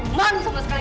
kamu malu sama sekali